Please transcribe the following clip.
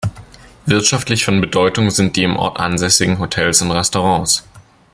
Wirtschaftlich von Bedeutung sind die im Ort ansässigen Hotels und Restaurants.